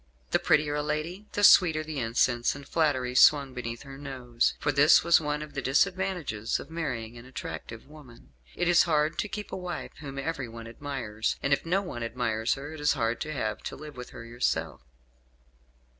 The prettier a lady, the sweeter the incense and flattery swung beneath her nose; for this was one of the disadvantages of marrying an attractive woman. "It is hard to keep a wife whom everyone admires; and if no one admires her it is hard to have to live with her yourself."